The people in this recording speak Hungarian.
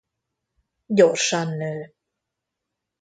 Gyorsan nő.